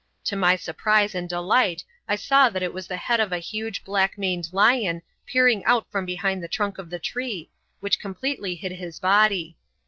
To my surprise and delight I saw that it was the head of a huge black maned lion peering out from behind the trunk of the tree, which completely hid his body.